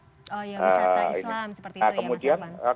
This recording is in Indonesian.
oh iya wisata islam seperti itu ya mas elvan